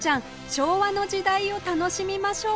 昭和の時代を楽しみましょう